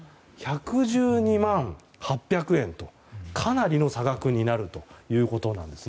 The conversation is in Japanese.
１１２万８００円とかなりの差額になるということです。